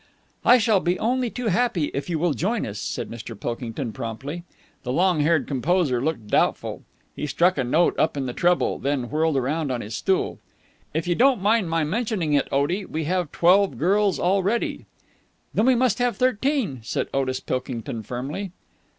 "I shall be only too happy if you will join us," said Mr. Pilkington promptly. The long haired composer looked doubtful. He struck a note up in the treble, then whirled round on his stool. "If you don't mind my mentioning it, Otie, we have twelve girls already." "Then we must have thirteen," said Otis Pilkington firmly.